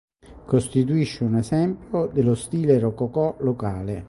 Costituisce un esempio dello stile rococò locale.